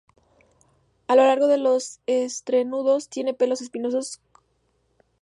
A lo largo de los entrenudos tiene pelos espinosos coriáceos, densos y cortos.